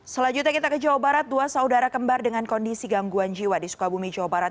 selanjutnya kita ke jawa barat dua saudara kembar dengan kondisi gangguan jiwa di sukabumi jawa barat